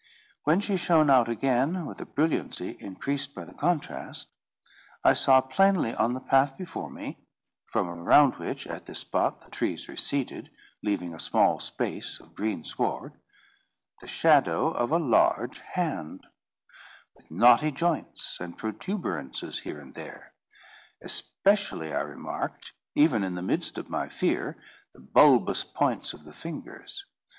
When she shone out again, with a brilliancy increased by the contrast, I saw plainly on the path before me—from around which at this spot the trees receded, leaving a small space of green sward—the shadow of a large hand, with knotty joints and protuberances here and there. Especially I remarked, even in the midst of my fear, the bulbous points of the fingers.